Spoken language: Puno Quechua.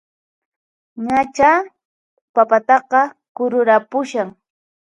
Ñachá papataqa kururanpushan!